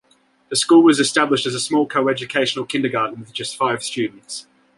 The school was established as a small co-educational Kindergarten with just five students.